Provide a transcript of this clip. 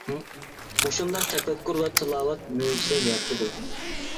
مۇشۇنداق تەپەككۇر ۋە تىلاۋەت مۆجىزە يارىتىدۇ.